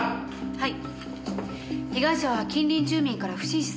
はい。